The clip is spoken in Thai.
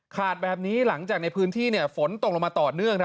แบบนี้หลังจากในพื้นที่ฝนตกลงมาต่อเนื่อง